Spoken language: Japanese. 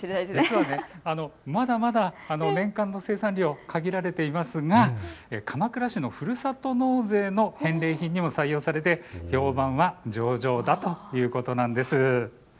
実はまだまだ年間の生産量、限られていますが鎌倉市のふるさと納税の返礼品にも採用されて評判は上々だということなんです。